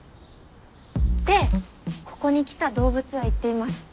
ってここに来た動物は言っています。